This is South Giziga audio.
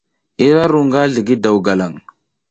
Ira ru nga zligi daw galaŋ.